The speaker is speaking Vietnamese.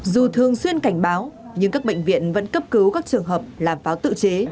dù thường xuyên cảnh báo nhưng các bệnh viện vẫn cấp cứu các trường hợp là pháo tự chế